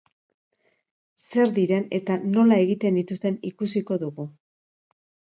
Zer diren eta nola egiten dituzten ikusiko dugu.